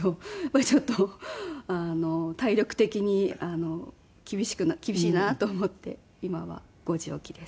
ちょっと体力的に厳しいなと思って今は５時起きです。